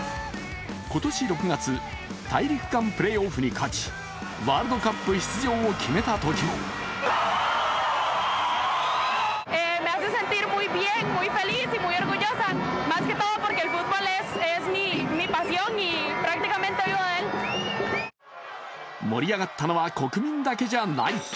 今年６月大陸間プレーオフに勝ちワールドカップ出場を決めたときも盛り上がったのは国民だけじゃない。